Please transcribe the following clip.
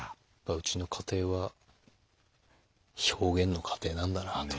うちの家庭は表現の家庭なんだなあと。